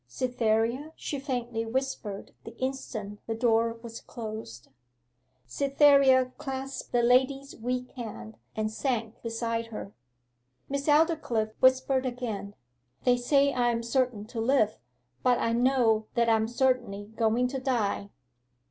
'Cytherea?' she faintly whispered the instant the door was closed. Cytherea clasped the lady's weak hand, and sank beside her. Miss Aldclyffe whispered again. 'They say I am certain to live; but I know that I am certainly going to die.